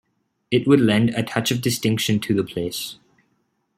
It would lend a touch of distinction to the place.